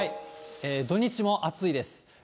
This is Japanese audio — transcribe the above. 土日も暑いです。